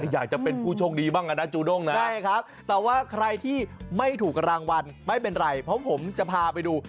อยากจะเป็นผู้โชคดีบ้างนะจูด้งนะใช่ครับแต่ว่าใครที่ไม่ถูกรางวัลไม่เป็นไรเพราะผมจะพาไปดู